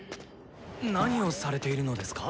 何をされているのですか？